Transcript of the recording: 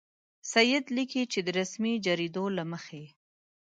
سید لیکي چې د رسمي جریدو له مخې.